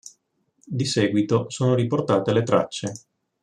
Di seguito sono riportate le tracce.